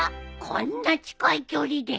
こんな近い距離で。